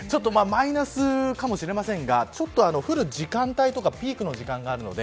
マイナスかもしれませんが降る時間帯やピークの時間があるので